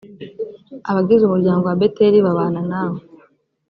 abagize umuryango wa beteli babana nawe.